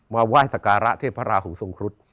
ไหว้สการะเทพราหูทรงครุฑ